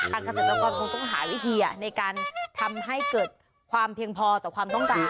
เกษตรกรคงต้องหาวิธีในการทำให้เกิดความเพียงพอต่อความต้องการ